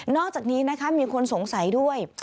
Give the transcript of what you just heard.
อกจากนี้นะคะมีคนสงสัยด้วย